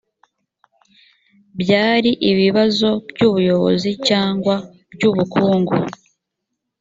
byari ibibazo by ubuyobozi cyangwa by ubukungu